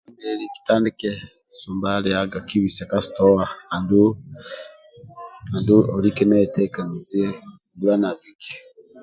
Kitandike sumba liaga kibise ka sitowa andulu olike nuwetekanizi huwa na biki